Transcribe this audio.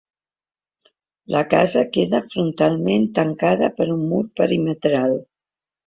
La casa queda frontalment tancada per un mur perimetral.